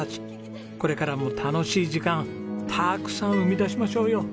これからも楽しい時間たくさん生み出しましょうよ。